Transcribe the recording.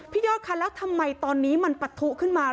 ยอดคะแล้วทำไมตอนนี้มันปะทุขึ้นมา